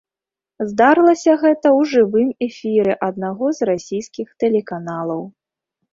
Здарылася гэта ў жывым эфіры аднаго з расійскіх тэлеканалаў.